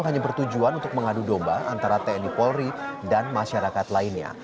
hanya bertujuan untuk mengadu domba antara tni polri dan masyarakat lainnya